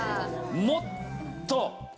もっと？